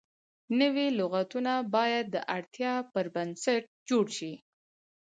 نوي لغتونه باید د اړتیا پر بنسټ جوړ شي.